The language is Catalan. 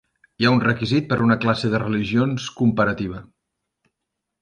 Hi ha un requisit per una classe de religions comparativa.